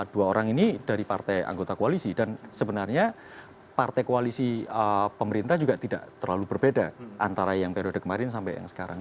dua orang ini dari partai anggota koalisi dan sebenarnya partai koalisi pemerintah juga tidak terlalu berbeda antara yang periode kemarin sampai yang sekarang